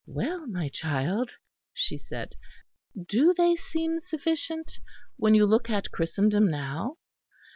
"Well, my child," she said, "do they seem sufficient, when you look at Christendom now?